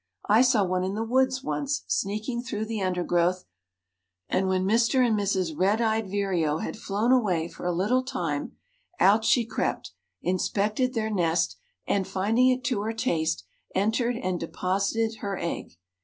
"I saw one in the woods once sneaking through the undergrowth, and when Mr. and Mrs. Red eyed Vireo had flown away for a little time, out she crept, inspected their nest, and, finding it to her taste, entered and deposited her egg.